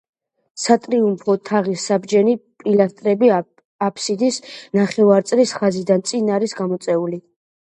სატრიუმფო თაღის საბჯენი პილასტრები აფსიდის ნახევარწრის ხაზიდან წინ არის გამოწეული.